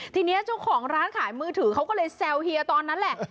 ทีนี้เจ้าของร้านขายมือถือเขาก็เลยแซวเฮียตอนนั้นแหละ